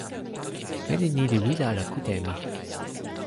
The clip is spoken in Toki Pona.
meli ni li wile ala kute e mi.